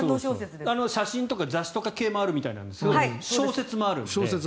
写真とか雑誌系もあるみたいなんですが小説もあるので。